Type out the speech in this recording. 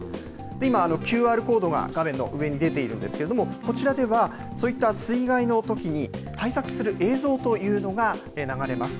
今、ＱＲコードが画面の上に出ているんですけれども、こちらでは、そういった水害のときに対策する映像というのが流れます。